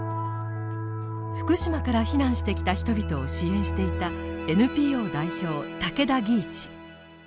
福島から避難してきた人々を支援していたＮＰＯ代表竹田義一。